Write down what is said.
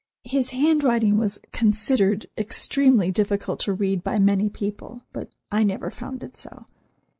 His handwriting was considered extremely difficult to read by many people, but I never found it so.